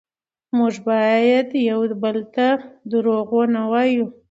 موږ باید یو بل ته دروغ ونه وایو